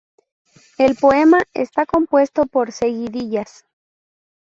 El poema está compuesto por seguidillas.